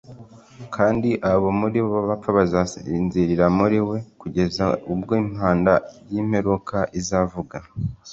kandi abo muri bo bapfa bazasinzirira muri we kugeza ubwo impanda y'imperuka izavuga.